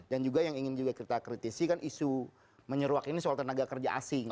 dan juga yang ingin kita kritisi kan isu menyeruak ini soal tenaga kerja asing